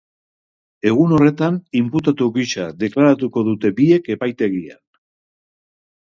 Egun horretan inputatu gisa deklaratuko dute biek epaitegian.